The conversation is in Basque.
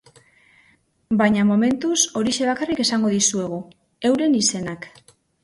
Baina, momentuz, horixe bakarrik esango dizuegu, euren izenak.